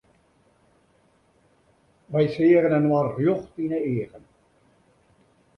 Wy seagen inoar rjocht yn 'e eagen.